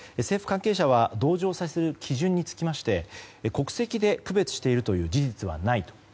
政府関係者は同乗させる基準について国籍で区別しているという事実はないと。